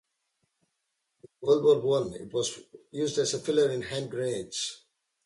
In World War One, it was used as a filler in hand grenades.